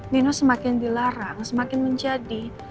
nino semakin dilarang semakin menjadi